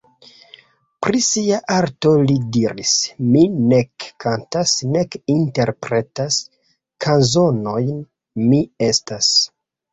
Pri sia arto li diris: "Mi nek kantas nek interpretas kanzonojn, mi estas.